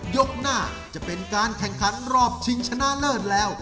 ยกหน้าจะเป็นการแข่งขันรอบชิงชนะเลิศแล้ว